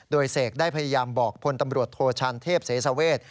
โดยเสกได้พยายามบอกพลตำรวจโทชานเทพเสสเวท